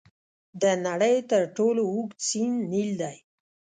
د نړۍ تر ټولو اوږد سیند نیل دی.